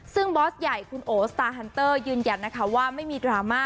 ซึ่งบอสใหญ่คุณโอสตาร์ฮันเตอร์ยืนยันนะคะว่าไม่มีดราม่า